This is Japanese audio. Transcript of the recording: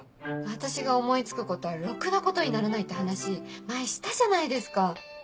私が思い付くことはろくなことにならないって話前したじゃないですか。